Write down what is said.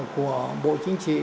của bộ chính trị